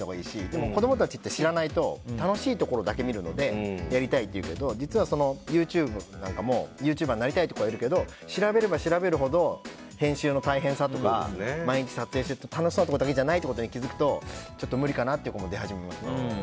でも子供たちって、知らないと楽しいところだけ見るのでやりたいっていうけど、実はユーチューバーになりたいっていう子はいるけど調べれば調べるほど編集の大変さとか毎日撮影していて楽しさだけじゃないってことに気づくとちょっと無理かなって子も出始めますね。